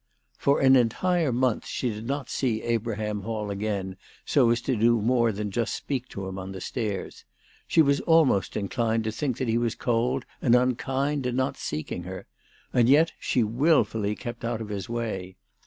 For an entire month she did not see Abraham Hall again so as to do more than just speak to him on the stairs. She was almost inclined to think that he was cold and unkind in not seeking her ; and yet she wilfully kept out of his way.